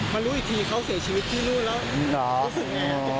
มารู้อีกทีเขาเสียชีวิตที่รู้แล้ว